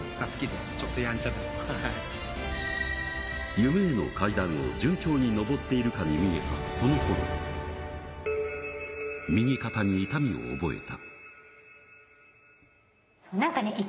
夢への階段を順調に上っているかに見えたその頃、右肩に痛みを覚えた。